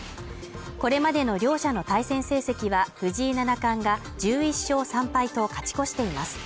これまでの両者の対戦成績は藤井七冠が１１勝３敗と勝ち越しています。